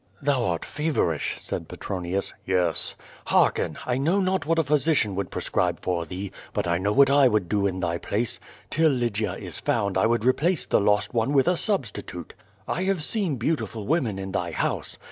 "Thou art feverish," said Petronius. ^^es." "Hearken! I know not what a physician would prescribe for thee, but I know what I would do in thy place. Till Lygia is found I would replace the lost one with a substitute. I have seen beautiful women in thy house.